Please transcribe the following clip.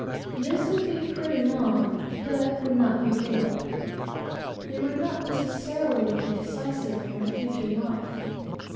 This would be pretty long, but would not be fatal. It would not necessarily be decisive of my future life.